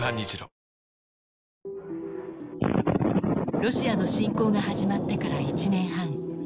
ロシアの侵攻が始まってから１年半。